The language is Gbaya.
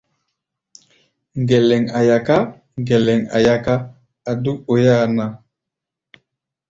Ŋgɛlɛŋ a̧ yaká, ŋgɛlɛŋ a̧ yaká, a̧ dúk oi-áa ná.